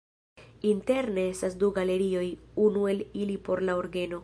Interne estas du galerioj, unu el ili por la orgeno.